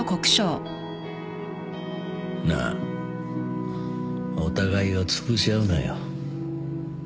なあお互いをつぶし合うなよ。